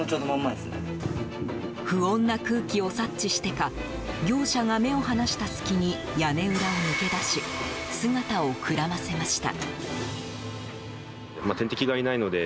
不穏な空気を察知してか業者が目を離した隙に屋根裏を抜け出し姿をくらませました。